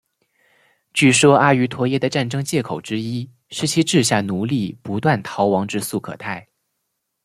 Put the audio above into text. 据说阿瑜陀耶的战争藉口之一是其治下奴隶不断逃亡至素可泰。